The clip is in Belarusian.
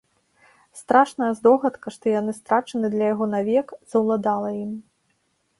Страшная здогадка, што яны страчаны для яго навек, заўладала ім.